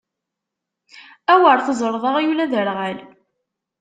Awer teẓreḍ aɣyul aderɣal!